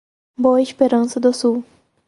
Boa Esperança do Sul